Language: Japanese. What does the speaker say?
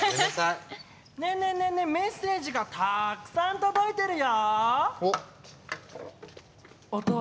ねえねえねえねえメッセージがたくさん届いてるよ！